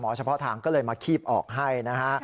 หมอเฉพาะทางก็เลยมาคีบออกให้